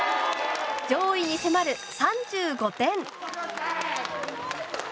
上位に迫る３５点！